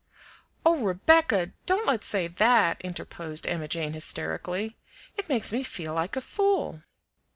"Oh, Rebecca, don't let's say that!" interposed Emma Jane hysterically. "It makes me feel like a fool."